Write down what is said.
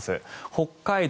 北海道・